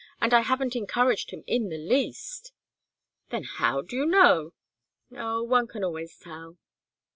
"And I haven't encouraged him in the least." "Then how do you know?" "Oh one can always tell."